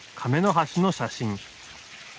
橋の写真。